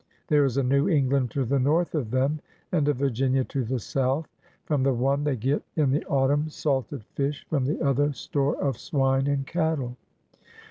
There is a New England to the north of them and a Virginia to^ the Msouth. Prom the one they get in the autumn salted fish, from the other store of swine and cattle.